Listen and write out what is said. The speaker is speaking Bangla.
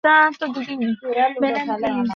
Madam, please!